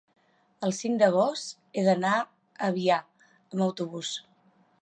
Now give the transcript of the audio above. el cinc d'agost he d'anar a Avià amb autobús.